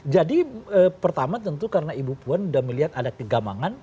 jadi pertama tentu karena ibu puan udah melihat ada kegamangan